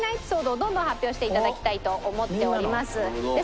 どんどん発表していただきたいと思っております。